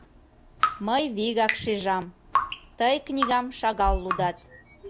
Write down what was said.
Мый вигак шижам: тый книгам шагал лудат.